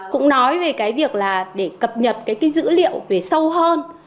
cũng nói về cái việc là để cập nhật cái dữ liệu về sâu hơn